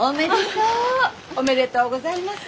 見たわよ。おめでとうございます。